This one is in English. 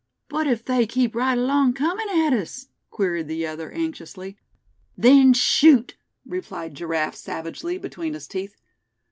"But if they keep right along comin' at us?" queried the other, anxiously. "Then shoot!" replied Giraffe, savagely, between his teeth.